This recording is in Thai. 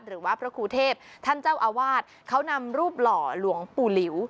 หรือว่าพระครูเทพท่านเจ้าอาวาสเขานำรูปหล่อหลวงปู่หลิว